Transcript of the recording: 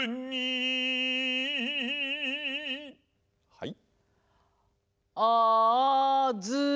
はい。